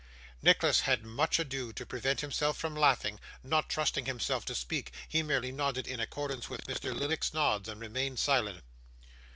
Nicholas had much ado to prevent himself from laughing; not trusting himself to speak, he merely nodded in accordance with Mr. Lillyvick's nods, and remained silent.